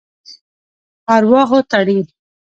ارواحو تړي.